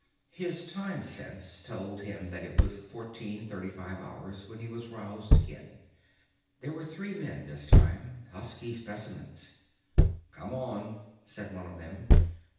His time sense told him that it was 1435 hours when he was roused again. There were three men this time, husky specimens. "Come on," said one of them.